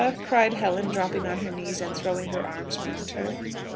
cried Helen, dropping on her knees and throwing her arms round her.